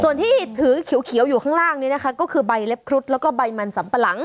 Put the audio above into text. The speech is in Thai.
ส่วนที่ถือเขียวอยู่ข้างล่างนี้นะคะก็คือใบเล็บครุฑแล้วก็ใบมันสัมปะหลัง